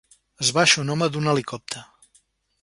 Es baixa un home d'un helicòpter.